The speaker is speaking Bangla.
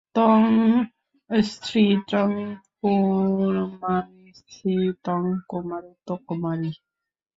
ত্বং স্ত্রী ত্বং পুমানসি ত্বং কুমার উত কুমারী।